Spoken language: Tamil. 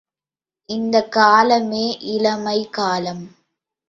இந்த காலமே இளமைக் காலம்!